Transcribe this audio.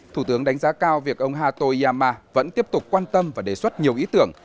thủ tướng đánh giá cao việc ông hato yama vẫn tiếp tục quan tâm và đề xuất nhiều ý tưởng